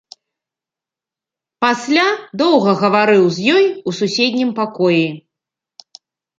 Пасля доўга гаварыў з ёй у суседнім пакоі.